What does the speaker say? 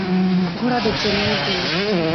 ঘোড়াদের ট্রেনিংয়ের জন্য!